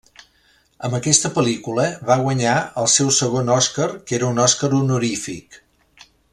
Amb aquesta pel·lícula va guanyar el seu segon Oscar, que era un Oscar honorífic.